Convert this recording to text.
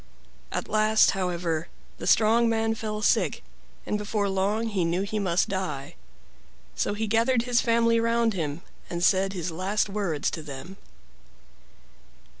At last, however, the strong man fell sick, and before long lie knew he must die. So he gathered his family round him and said his last words to them.